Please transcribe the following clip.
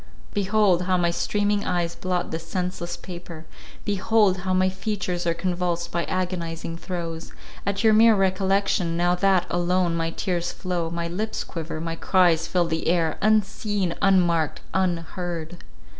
Behold, how my streaming eyes blot this senseless paper—behold, how my features are convulsed by agonizing throes, at your mere recollection, now that, alone, my tears flow, my lips quiver, my cries fill the air, unseen, unmarked, unheard!